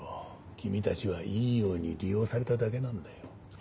君たちはいいように利用されただけなんだよ。